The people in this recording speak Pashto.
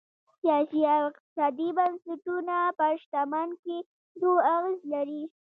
سیاسي او اقتصادي بنسټونه پر شتمن کېدو اغېز لري.